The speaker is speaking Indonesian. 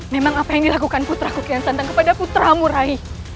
memang apa yang dilakukan putraku kian santang kepada putramu rai